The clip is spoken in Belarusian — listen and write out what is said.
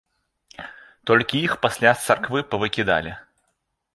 Толькі іх пасля з царквы павыкідалі.